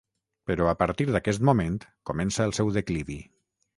Però, a partir d'aquest moment, comença el seu declivi.